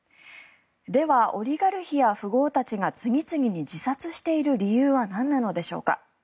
では、オリガルヒや富豪たちが次々に自殺している理由は何なのでしょうか。